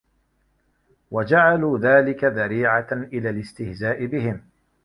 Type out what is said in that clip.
وَجَعَلُوا ذَلِكَ ذَرِيعَةً إلَى الِاسْتِهْزَاءِ بِهِمْ